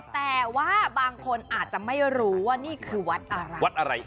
แต่ว่าบางคนอาจจะไม่รู้ว่านี่คือวัดอะไรวัดอะไร